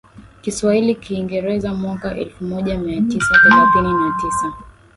Kiswahili Kiingereza mwaka elfumoja miatisa thelathini na tisa